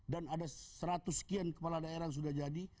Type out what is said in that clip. dan ada seratus sekian kepala daerah sudah jadi